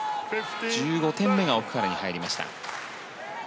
１５点目が奥原に入りました。